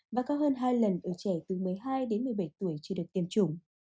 và cao hơn hai lần ở trẻ từ một mươi hai đến một mươi bảy tuổi chưa được tiêm chủng